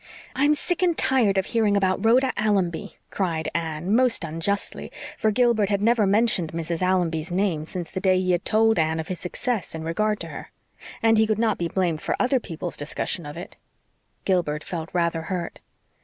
"I'm sick and tired of hearing about Rhoda Allonby," cried Anne most unjustly, for Gilbert had never mentioned Mrs. Allonby's name since the day he had told Anne of his success in regard to her. And he could not be blamed for other people's discussion of it. Gilbert felt rather hurt.